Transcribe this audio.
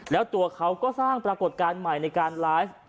แล้วตัวเขาก็สร้างปรากฏการณ์ใหม่ในการไลฟ์